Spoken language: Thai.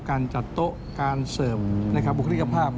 การจัดโต๊ะการเสิร์ฟบุคลิกภาพ